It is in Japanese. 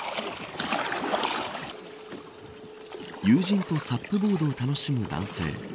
友人とサップボードを楽しむ男性。